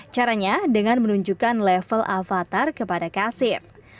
caranya dengan menunjukkan level avatar kepada kasir